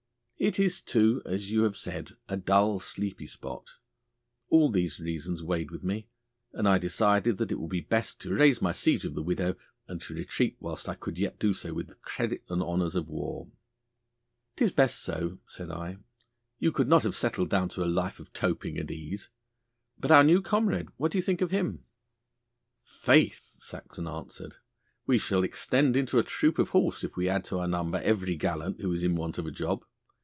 It is, too, as you have said, a dull sleepy spot. All these reasons weighed with me, and I decided that it would be best to raise my siege of the widow, and to retreat whilst I could yet do so with the credit and honours of war.' ''Tis best so,' said I; 'you could not have settled down to a life of toping and ease. But our new comrade, what think you of him?' 'Faith!' Saxon answered, 'we shall extend into a troop of horse if we add to our number every gallant who is in want of a job.